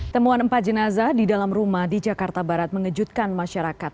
temuan empat jenazah di dalam rumah di jakarta barat mengejutkan masyarakat